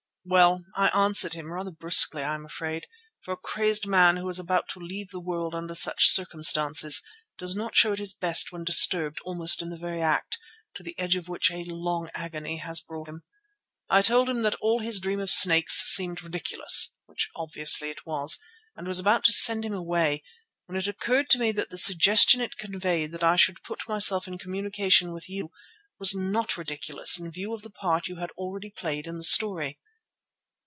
"Well, I answered him, rather brusquely I am afraid, for a crazed man who is about to leave the world under such circumstances does not show at his best when disturbed almost in the very act, to the edge of which long agony has brought him. I told him that all his dream of snakes seemed ridiculous, which obviously it was, and was about to send him away, when it occurred to me that the suggestion it conveyed that I should put myself in communication with you was not ridiculous in view of the part you had already played in the story."